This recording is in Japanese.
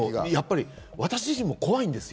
私自身も怖いんですよ。